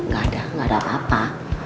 gak ada apa apa